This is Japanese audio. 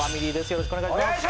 よろしくお願いします